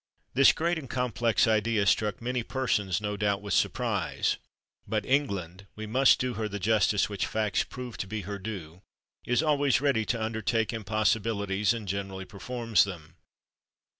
This great and complex idea struck many persons no doubt with surprise; but England we must do her the justice which facts prove to be her due is always ready to undertake impossibilities, and generally performs them.